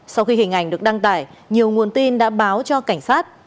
sau khi hình ảnh được đăng tải nhiều nguồn tin đã báo cho cảnh sát